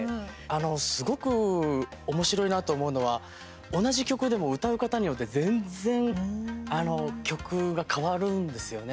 すごく、おもしろいなと思うのは同じ曲でも、歌う方によって全然あの、曲が変わるんですよね。